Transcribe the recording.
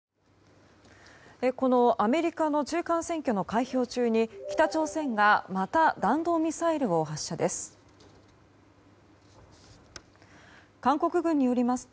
このアメリカの中間選挙の開票中に北朝鮮がまた弾道ミサイルを発射です。